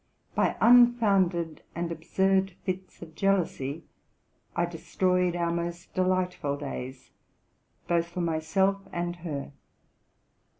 By unfounded and absurd fits of jealousy, I destroyed our most delightful days, both for myself and her.